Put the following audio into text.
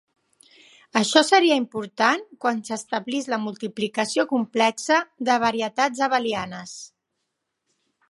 Això seria important quan s'establís la multiplicació complexa de varietats abelianes.